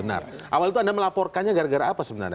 benar awal itu anda melaporkannya gara gara apa sebenarnya